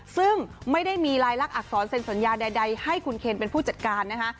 ซึ่งไม่ได้มีลายลักษณอักษรเซ็นสัญญาใดให้คุณเคนเป็นผู้จัดการนะคะ